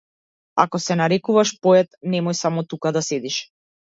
Ако се нарекуваш поет, немој само тука да седиш.